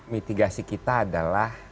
mitigasi kita adalah